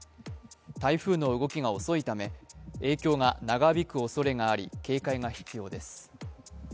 台風の動きが遅いため影響が長引くおそれがあり、警戒が必要です。